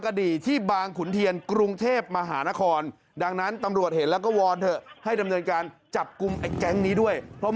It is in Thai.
จับกุมแอ้ยแจ๊งนี้ด้วยเพราะไม่ใช่ครั้งแรก